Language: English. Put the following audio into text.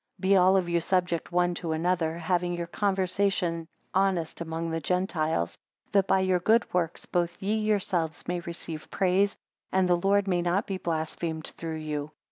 12 Be all of you subject one to another, having your conversation honest among the Gentiles; that by your good works, both ye yourselves may receive praise, and the Lord may not be blasphemed through you.